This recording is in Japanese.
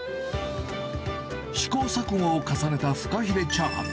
試行錯誤を重ねたフカヒレチャーハン。